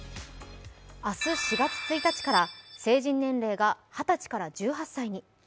明日、４月１日から成人年齢が２０歳から１８歳に。